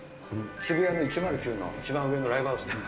渋谷の１０９の一番上のライブハウスで。